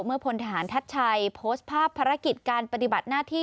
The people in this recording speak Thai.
พลทหารทัชชัยโพสต์ภาพภารกิจการปฏิบัติหน้าที่